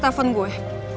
dia bukan agama